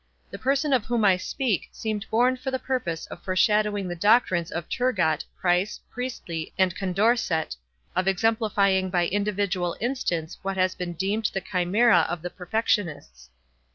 The person of whom I speak seemed born for the purpose of foreshadowing the doctrines of Turgot, Price, Priestley, and Condorcet—of exemplifying by individual instance what has been deemed the chimera of the perfectionists.